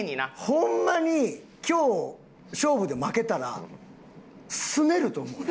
ホンマに今日勝負で負けたらスネると思う。